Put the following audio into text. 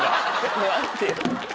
待ってよ。